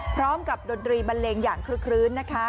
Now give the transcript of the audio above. พร้อมกับดนตรีบัลเลงอย่างครื้ดนะคะ